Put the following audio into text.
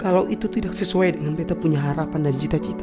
kalau itu tidak sesuai dengan kita punya harapan dan cita cita